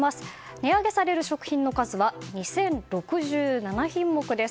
値上げされる食品の数は２０６７品目です。